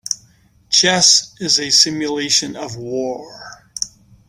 Chess is a simulation of war.